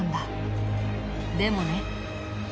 でもね。